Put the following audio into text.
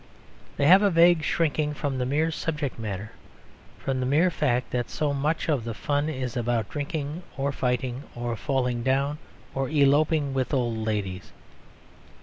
They have a vague shrinking from the mere subject matter; from the mere fact that so much of the fun is about drinking or fighting, or falling down, or eloping with old ladies.